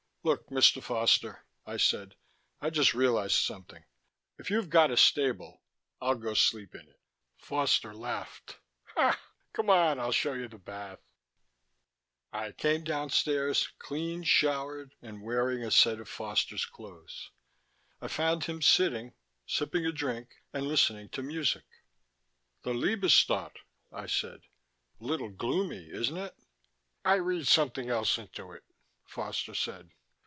"Look, Mr. Foster," I said. "I just realized something. If you've got a stable, I'll go sleep in it " Foster laughed. "Come on; I'll show you the bath." I came downstairs, clean, showered, and wearing a set of Foster's clothes. I found him sitting, sipping a drink and listening to music. "The Liebestodt," I said. "A little gloomy, isn't it?" "I read something else into it," Foster said.